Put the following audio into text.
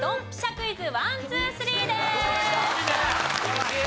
クイズ。